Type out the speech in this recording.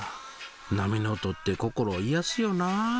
波の音って心をいやすよなあ。